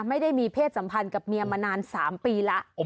ไม่ได้มีเพศสัมพันธ์กับเมียมานาน๓ปีแล้ว